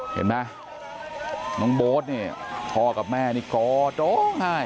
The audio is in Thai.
เห็นไหมน้องโบ๊ทเนี่ยพ่อกับแม่นี่กอดร้องไห้